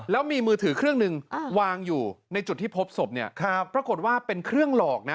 แล้วมีมือถือเครื่องหนึ่งวางอยู่ในจุดที่พบศพเนี่ยครับปรากฏว่าเป็นเครื่องหลอกนะ